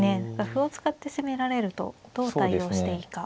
歩を使って攻められるとどう対応していいか。